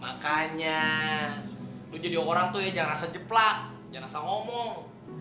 makanya lu jadi orang tuh ya jangan asal jeplak jangan asal ngomong